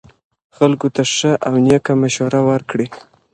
خلکو ته ښه او نیکه مشوره ورکړئ.